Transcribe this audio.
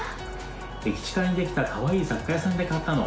「駅チカに出来たかわいい雑貨屋さんで買ったの」。